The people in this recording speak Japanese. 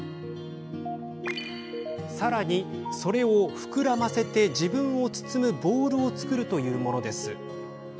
さらに、それを膨らませて自分を包むボールを作るというものです。